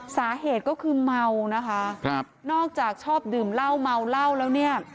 สาเหตุก็คือเมานะคะครับนอกจากชอบดื่มเหล้าเมาเหล้าแล้วเนี่ย